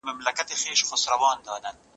¬ نر پسه د حلالېدو له پاره دئ.